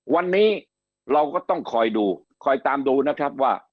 วันนี้เราก็ต้องคอยดูคอยตามดูนะครับว่า